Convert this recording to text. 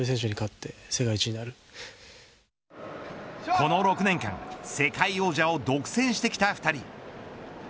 この６年間世界王者を独占してきた２人。